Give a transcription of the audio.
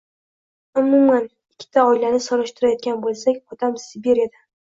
Umuman ikkita oilani solishtiradigan boʻlsak, otam Sibiriyadan.